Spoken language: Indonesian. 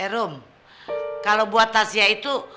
eh rum kalo buat tasia itu